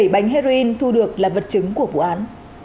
một mươi bảy bánh heroin thu được là vật chứng của vụ án